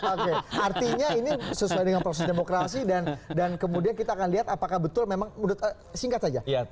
oke artinya ini sesuai dengan proses demokrasi dan kemudian kita akan lihat apakah betul memang singkat saja